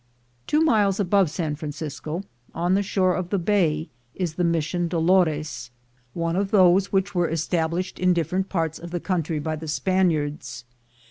Two miles above San Francisco, on the shore of the bay, is the Mission Dolores, one of those which 96 THE GOLD HUNTERS were established in difFerent parts of the country by the Spaniards.